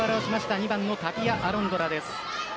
２番のタピア・アロンドラです。